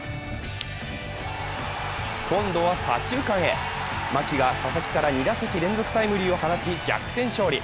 今度は左中間へ、牧が佐々木から２打席連続タイムリーを放ち、逆転勝利。